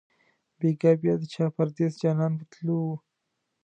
بیګا بیا د چا پردېس جانان په تلو وو